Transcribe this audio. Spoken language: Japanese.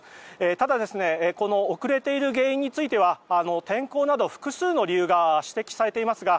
ただ、この遅れている原因については天候などの複数の理由が指摘されていますが